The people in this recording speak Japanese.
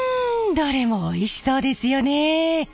どれもおいしそうですよね。